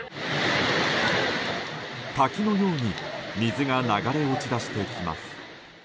滝のように水が流れ落ちだしてきます。